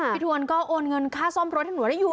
ทวนก็โอนเงินค่าซ่อมรถให้หนูได้อยู่